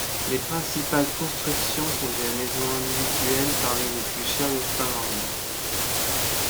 Les principales constructions sont des maisons individuelles, parmi les plus chères de Finlande.